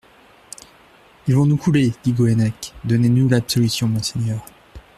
Ils vont nous couler, dit Goennec ; donnez-nous l'absolution, monseigneur.